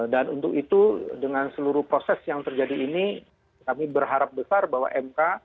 dan untuk itu dengan seluruh proses yang terjadi ini kami berharap besar bahwa mk